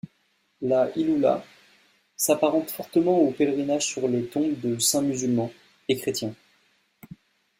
La Hiloula s'apparente fortement aux pèlerinages sur les tombes de saints musulmans, et chrétiens.